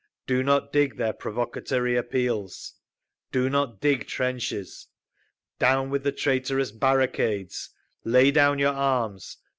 Do not dig their provocatory appeals! Do not dig trenches! Down with the traitorous barricades! Lay down your arms!